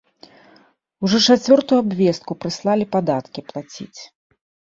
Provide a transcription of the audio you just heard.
Ужо чацвёртую абвестку прыслалі падаткі плаціць.